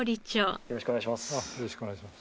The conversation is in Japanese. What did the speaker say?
よろしくお願いします。